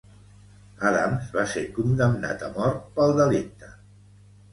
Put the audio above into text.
Adams va ser condemnat a mort pel delicte.